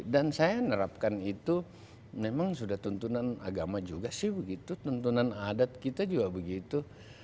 dan saya menerapkan itu memang sudah tuntunan agama juga sih begitu tuntunan adat kita juga begitu